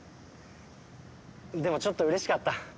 でもちょっとうれしかった。